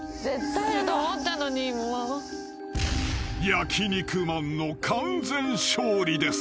［焼肉マンの完全勝利です］